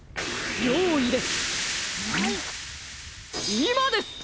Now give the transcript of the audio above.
いまです！